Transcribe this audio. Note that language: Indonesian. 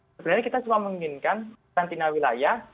sebenarnya kita cuma menginginkan karantina wilayah